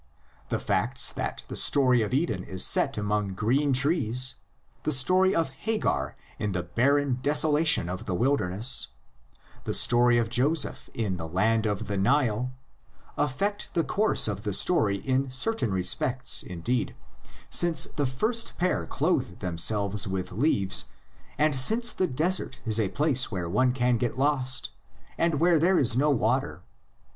The facts that the story of Eden is set among green trees, the story of Hagar in the barren desolation of the wilder ness, the story of Joseph in the land of the Nile, affect the course of the story in certain respects, indeed, since the first pair clothe themselves with leaves and since the desert is a place where one can get lost, and where there is no water.